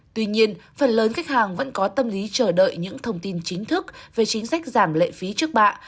tuy nhiên phần lớn khách hàng vẫn có tâm lý chờ đợi những thông tin chính thức về chính sách giảm lệ phí trước bạ